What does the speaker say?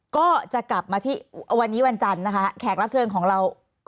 ก็จะกลับมาที่วันนี้วันจันทร์นะคะแขกรับเชิญของเรา